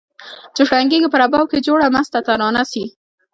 چي شرنګیږي په رباب کي جوړه مسته ترانه سي